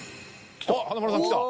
［華丸さんきた］